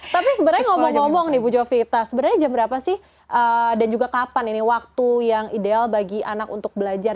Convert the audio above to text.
tapi sebenarnya ngomong ngomong nih bu jovita sebenarnya jam berapa sih dan juga kapan ini waktu yang ideal bagi anak untuk belajar